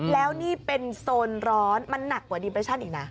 แล้วนี่เป็นโซนร้อนมันหนักกว่าดีเปรชั่นอีกนะ